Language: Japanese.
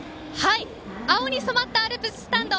青に染まったアルプススタンド